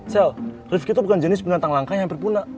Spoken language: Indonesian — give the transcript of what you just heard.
sal rifki tuh bukan jenis penantang langka yang hampir punah